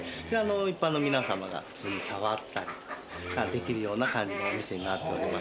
一般の皆さまが普通に触ったりできるような感じのお店になっております。